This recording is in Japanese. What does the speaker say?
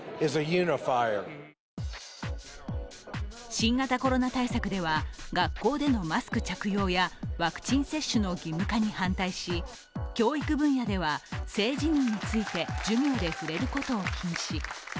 新型コロナ対策では、学校でのマスク着用やワクチン接種の義務化に反対し、教育分野では、性自認について授業で触れることを禁止。